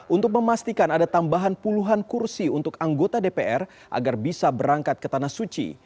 untuk memastikan ada tambahan puluhan kursi untuk anggota dpr agar bisa berangkat ke tanah suci